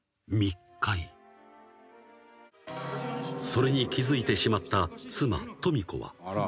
［それに気付いてしまった妻登美子は］